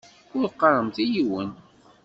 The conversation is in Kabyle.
Ur qqaṛemt i yiwen.